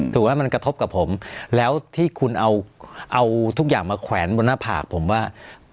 ถูกไหมมันกระทบกับผมแล้วที่คุณเอาทุกอย่างมาแขวนบนหน้าผากผมว่า